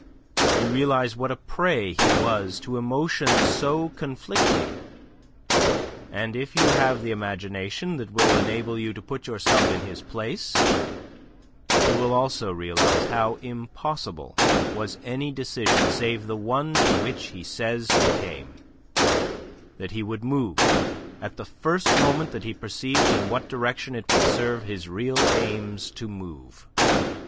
You realize what a prey he was to emotions so conflicting, and if you have the imagination that will enable you to put yourself in his place, you will also realize how impossible was any decision save the one to which he says he came, that he would move, at the first moment that he perceived in what direction it would serve his real aims to move.